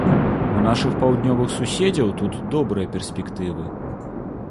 У нашых паўднёвых суседзяў тут добрыя перспектывы.